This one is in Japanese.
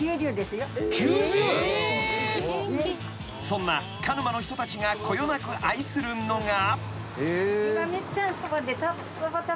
［そんな鹿沼の人たちがこよなく愛するのが］